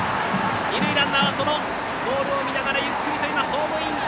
二塁ランナーはそのボールを見ながらゆっくりとホームイン。